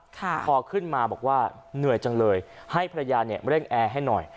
พอขึ้นมาบอกว่าเหนื่อยจังเลยให้ภรรยาเนี่ยเร่งแอร์ให้หน่อย